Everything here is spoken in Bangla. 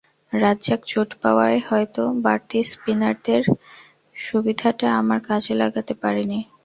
রাজ্জাক চোট পাওয়ায় হয়তো বাড়তি স্পিনারের সুবিধাটা আমরা কাজে লাগাতে পারিনি।